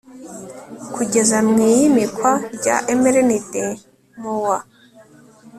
kugeza mu iyimikwa rya mrnd mu wa